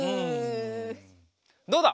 どうだ？